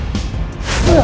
aku kasih ini buat andien